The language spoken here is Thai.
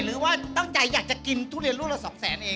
หรือว่าต้องใหญ่ที่จะยักษ์กินทุเรียนรูละ๒๐๐๐เอง